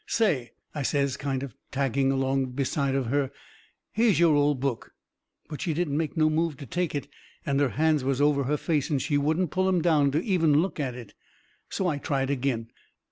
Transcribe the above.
"Say," I says, kind of tagging along beside of her, "here's your old book." But she didn't make no move to take it, and her hands was over her face, and she wouldn't pull 'em down to even look at it. So I tried agin.